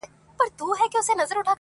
• زه به د خال او خط خبري كوم.